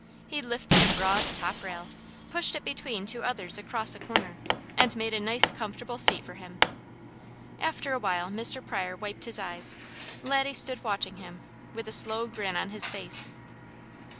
He lifted a broad top rail, pushed it between two others across a corner and made a nice comfortable seat for him. After a while Mr. Pryor wiped his eyes. Laddie stood watching him with a slow grin on his face.